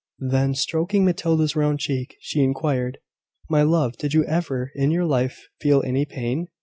Then, stroking Matilda's round cheek, she inquired, "My love, did you ever in your life feel any pain?"